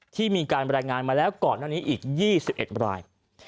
ที่มีการแบรนด์งานมาแล้วก่อนอันนี้อีก๒๑ราย